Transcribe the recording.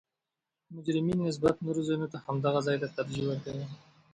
مجرمین نسبت نورو ځایونو ته همدغه ځا ته ترجیح ورکوي